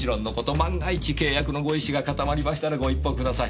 万が一契約のご意思が固まりましたらご一報ください。